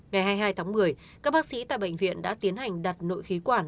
ngày hai mươi hai tháng một mươi các bác sĩ tại bệnh viện đã tiến hành đặt nội khí quản